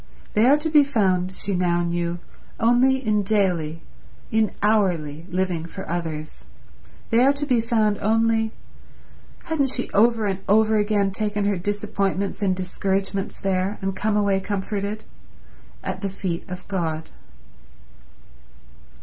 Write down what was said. They are to be found, she now knew, only in daily, in hourly, living for others; they are to be found only—hadn't she over and over again taken her disappointments and discouragements there, and come away comforted?—at the feet of God.